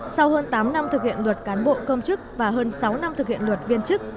sau hơn tám năm thực hiện luật cán bộ công chức và hơn sáu năm thực hiện luật viên chức